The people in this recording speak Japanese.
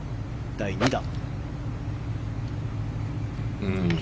第２打。